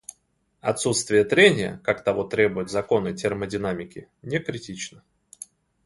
Отсутствие трения, как того требуют законы термодинамики, не критично.